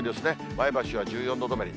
前橋は１４度止まり。